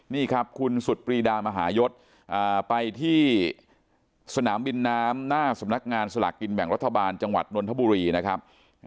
นี่ครับคุณสุดปรีดามหายศไปที่สนามบินน้ำหน้าสำนักงานสลากกินแบ่งรัฐบาลจังหวัดนนทบุรีนะครับ